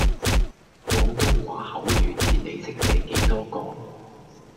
廣東話口語字你識寫幾多個?